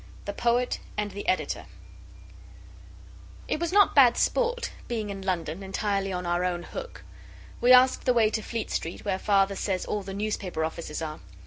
THE POET AND THE EDITOR It was not bad sport being in London entirely on our own hook. We asked the way to Fleet Street, where Father says all the newspaper offices are.